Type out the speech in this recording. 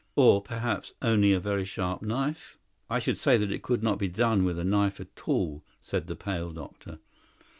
Or, perhaps, only a very sharp knife?" "I should say that it could not be done with a knife at all," said the pale doctor.